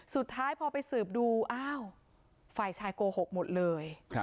สุดท้ายพอไปสืบดูอ้าวฝ่ายชายโกหกหมดเลย